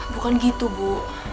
bukan gitu bu